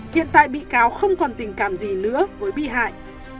hiện tại bị cáo không còn tình cảm gì nữa với bị hại